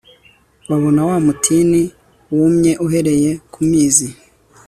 babona wa mutini wumye uhereye ku mizi